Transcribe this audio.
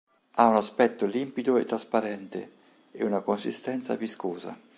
Ha un aspetto limpido e trasparente e una consistenza viscosa.